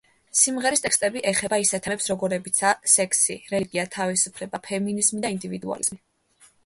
სიმღერის ტექსტები ეხება ისეთ თემებს, როგორებიცაა სექსი, რელიგია, თავისუფლება, ფემინიზმი და ინდივიდუალიზმი.